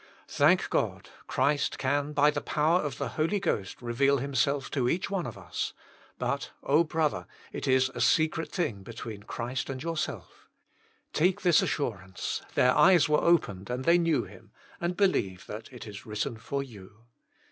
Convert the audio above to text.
Thank God, Christ can by the power of the Holy Ghost reveal Himself to each one of us ; but oh ! brother, it is a secret thing between Christ and your self. Take this assurance, << Their eyes were opened and they knew Him," and believe that it is written for you.